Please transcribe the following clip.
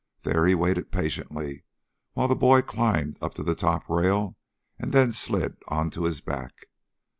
There he waited patiently while the boy climbed up to the top rail and then slid onto his back.